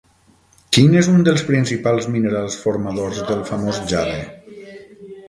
Quin és un dels principals minerals formadors del famós jade?